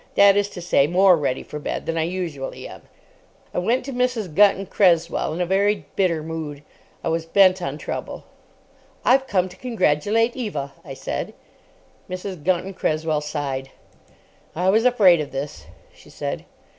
That is to say, more ready for bed than I usually am. I went to Mrs. Gunton Cresswell in a very bitter mood. I was bent on trouble. "I've come to congratulate Eva," I said. Mrs. Gunton Cresswell sighed. "I was afraid of this," she said.